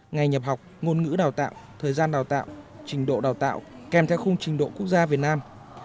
ngày nhập học ngôn ngữ đào tạo thời gian đào tạo trình độ đào tạo kèm theo khung trình độ quốc gia việt nam